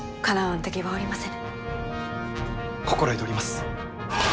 心得ております！